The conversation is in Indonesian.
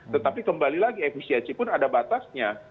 tetapi kembali lagi efisiensi pun ada batasnya